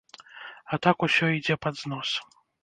А так усё ідзе пад знос.